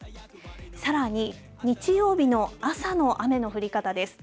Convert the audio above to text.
さらに日曜日の朝の雨の降り方です。